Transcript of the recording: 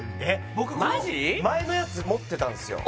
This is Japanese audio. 僕この前のやつ持ってたんすよ